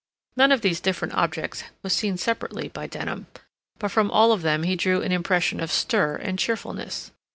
None of these different objects was seen separately by Denham, but from all of them he drew an impression of stir and cheerfulness.